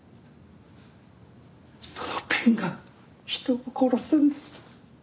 そのペンが人を殺すんです。